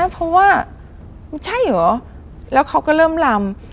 เพราะว่ามันใช่เหรอแล้วเขาก็เริ่มลำ